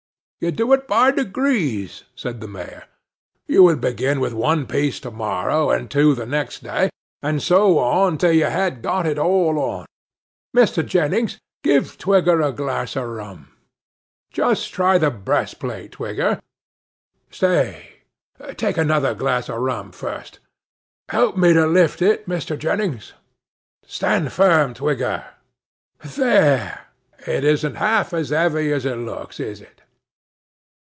'You do it by degrees,' said the Mayor. 'You would begin with one piece to morrow, and two the next day, and so on, till you had got it all on. Mr. Jennings, give Twigger a glass of rum. Just try the breast plate, Twigger. Stay; take another glass of rum first. Help me to lift it, Mr. Jennings. Stand firm, Twigger! There!—it isn't half as heavy as it looks, is it?